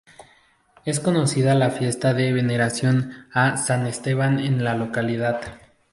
Es conocida la fiesta de veneración a San Esteban en la localidad.